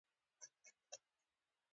دوی د پیسو له راټولولو سره ډېره مینه لري